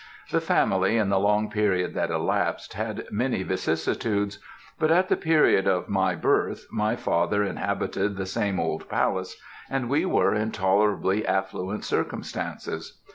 The family in the long period that elapsed, had many vicissitudes; but at the period of my birth my father inhabited the same old palace, and we were in tolerably affluent circumstances.